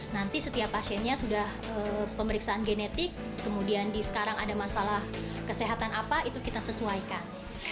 nanti setiap pasiennya sudah pemeriksaan genetik kemudian sekarang ada masalah kesehatan apa itu kita sesuaikan